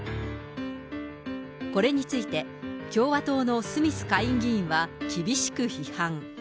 これについて共和党のスミス下院議員は厳しく批判。